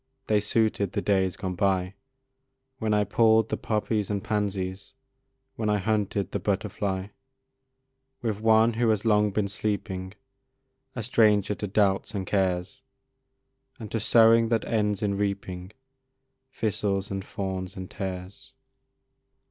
They suited the days gone by, When I pulled the poppies and pansies, When I hunted the butterfly, With one who has long been sleeping, A stranger to doubts and cares, And to sowing that ends in reaping Thistles, and thorns, and tares.